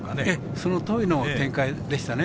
そのとおりの展開でしたね。